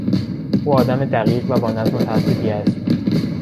او آدم دقیق و با نظم و ترتیبی است.